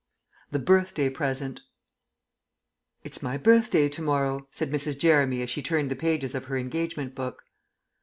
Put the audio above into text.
THE BIRTHDAY PRESENT "It's my birthday to morrow," said Mrs. Jeremy as she turned the pages of her engagement book.